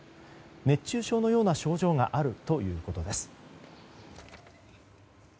熱中症のような症状があるということです。